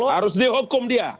harus dihukum dia